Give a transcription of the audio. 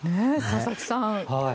佐々木さん